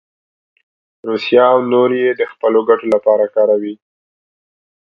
روسیه او نور یې د خپلو ګټو لپاره کاروي.